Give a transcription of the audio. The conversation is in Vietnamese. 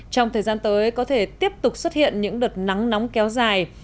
trong thời gian tới có thể tiếp tục xuất hiện những đợt nắng nóng kéo dài